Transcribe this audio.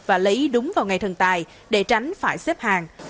và lấy đúng vào ngày thần tài để tránh phải xếp hàng